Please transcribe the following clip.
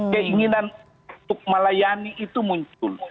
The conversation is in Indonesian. keinginan untuk melayani itu muncul